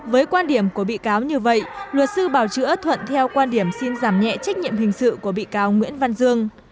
với quan điểm của bị cáo như vậy luật sư bảo chữa thuận theo quan điểm xin giảm nhẹ trách nhiệm hình sự của bị cáo nguyễn văn dương